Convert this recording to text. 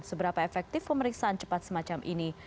seberapa efektif pemeriksaan cepat semacam ini